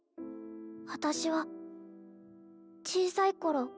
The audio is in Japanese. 私は小さい頃